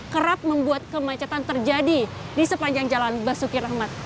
kerap membuat kemacetan terjadi di sepanjang jalan basuki rahmat